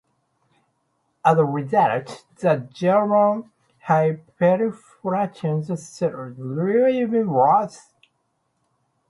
As a result, the German hyperinflation crisis grew even worse.